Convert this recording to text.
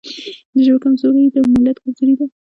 د ژبې کمزوري د ملت کمزوري ده.